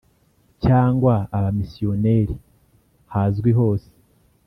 cyangwa Abamisiyoneri hazwi hose,